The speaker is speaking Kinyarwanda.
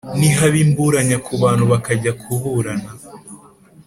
Nihaba imburanya ku bantu bakajya kuburana